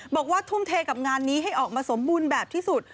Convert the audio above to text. บอกว่าทุ่มเทกับงานนี้ให้ออกมาสมบูรณ์แบบที่สุด